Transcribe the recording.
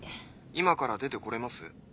☎今から出てこれます？